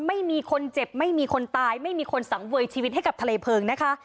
ไม่มีคนเจ็บไม่มีคนตายไม่มีคนสังเวยชีวิตให้กับทะเลเพลิงนะคะ